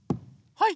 はい。